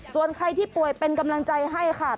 ส่วนใครที่ป่วยเป็นกำลังใจให้ค่ะ